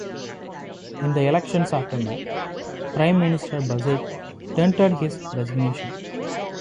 In the election's aftermath, Prime Minister Buzek tendered his resignation.